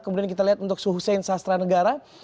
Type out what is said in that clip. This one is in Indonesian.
kemudian kita lihat untuk suhu sains sastra negara